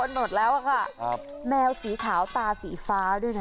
หมดแล้วอะค่ะครับแมวสีขาวตาสีฟ้าด้วยนะ